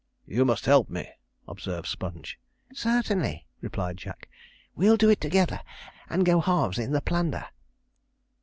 'You must help me,' observed Sponge. 'Certainly,' replied Jack; 'we'll do it together, and go halves in the plunder.'